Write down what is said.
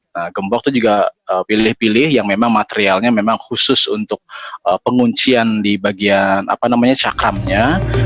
nah gembok itu juga pilih pilih yang memang materialnya memang khusus untuk penguncian di bagian cakramnya